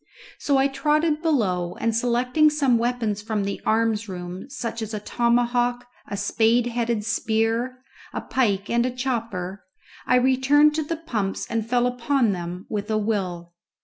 So I trotted below, and selecting some weapons from the arms room, such as a tomahawk, a spade headed spear, a pike and a chopper, I returned to the pumps and fell upon them with a will.